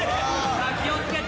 さあ気を付けて。